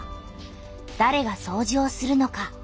だれがそうじをするのか？